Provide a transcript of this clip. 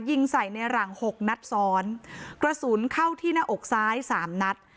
ยิงใส่ในหลังหกนัดซ้อนกระสุนเข้าที่หน้าอกซ้ายสามนัด